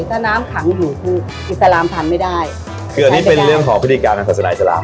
ถ้าน้ำขังอยู่คืออิสลามทานไม่ได้คืออันนี้เป็นเรื่องของพฤติการทางศาสนาอิสลาม